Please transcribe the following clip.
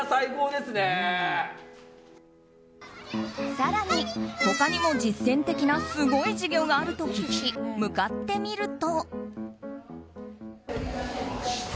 更に、他にも実践的なすごい授業があると聞き向かってみると。